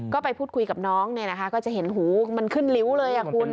ก็ไปพูดคุยกับน้องเนี่ยนะคะก็จะเห็นหูมันขึ้นริ้วเลยอ่ะคุณ